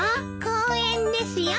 公園ですよ。